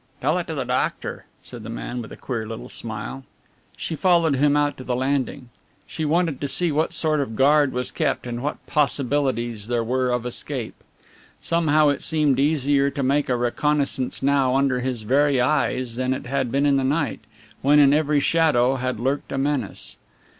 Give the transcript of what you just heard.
"Tell it to the doctor," said the man, with a queer little smile. She followed him out to the landing. She wanted to see what sort of guard was kept and what possibilities there were of escape. Somehow it seemed easier to make a reconnaissance now under his very eyes than it had been in the night, when in every shadow had lurked a menace.